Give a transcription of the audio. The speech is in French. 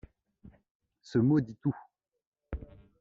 Ce mot dit tout.